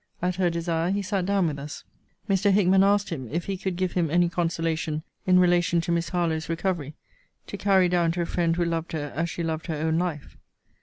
At her desire he sat down with us. Mr. Hickman asked him, if he could give him any consolation in relation to Miss Harlowe's recovery, to carry down to a friend who loved her as she loved her own life?